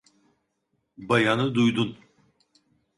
Bayanı duydun.